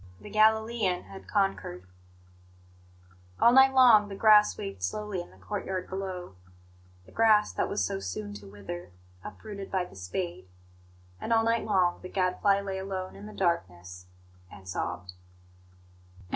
The Galilean had conquered. All night long the grass waved softly in the courtyard below the grass that was so soon to wither, uprooted by the spade; and all night long the Gadfly lay alone in the darkness, and sobbed.